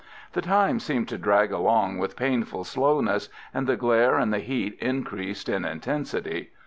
The time seemed to drag along with painful slowness, and the glare and heat increased in intensity.